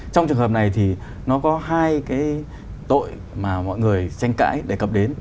trong trường hợp này thì nó có hai cái tội mà mọi người tranh cãi đề cập đến